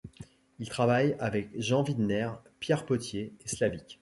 Il travaille avec Jean Widmer, Pierre Pothier et Slavik.